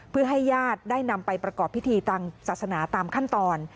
เพื่อให้ญาติได้นำไปประกอบพิธีทางศาสนาตามขั้นตอน